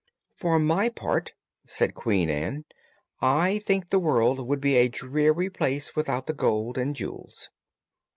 "For my part," said Queen Ann, "I think the world would be a dreary place without the gold and jewels."